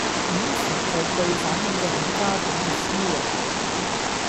遣詞造句反映嘅係家長嘅思維